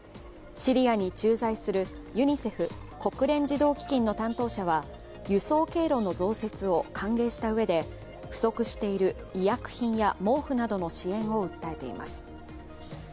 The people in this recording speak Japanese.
シリアに駐在するユニセフ＝国連児童基金の担当者は輸送経路の増設を歓迎したうえで不足している医薬品や毛布などの支援を訴えています。